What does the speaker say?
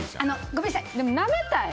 ごめんなさい